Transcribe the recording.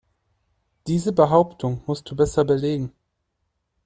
Diese Behauptung musst du besser belegen.